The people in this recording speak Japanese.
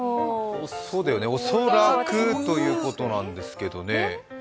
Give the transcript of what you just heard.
恐らくということなんですけどね。